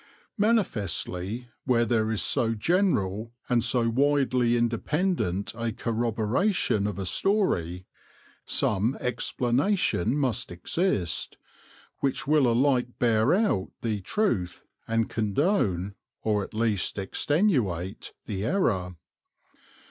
Manifestly, where there is so general, and so widely independent a corroboration of a story, some ex planation must exist, which will alike bear out the truth and condone, or at least extenuate, the error.